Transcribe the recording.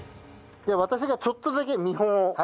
私がちょっとだけ見本を。